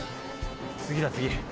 次だ次。